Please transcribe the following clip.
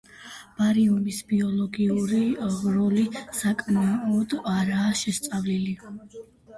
ბარიუმის ბიოლოგიური როლი საკმაოდ არაა შესწავლილი.